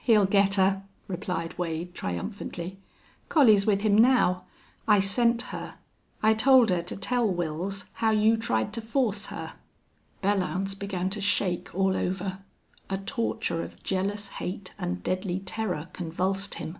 "He'll get her," replied Wade, triumphantly. "Collie's with him now. I sent her. I told her to tell Wils how you tried to force her " Belllounds began to shake all over. A torture of jealous hate and deadly terror convulsed him.